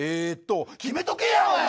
決めとけやおい！